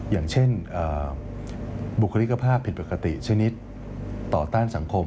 อย่างเช่นบุคลิกภาพผิดปกติชนิดต่อต้านสังคม